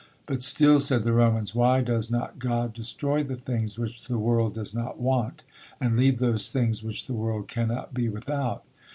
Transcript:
But still, said the Romans, why does not God destroy the things which the world does not want, and leave those things which the world cannot be without?